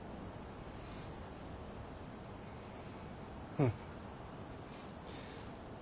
うん。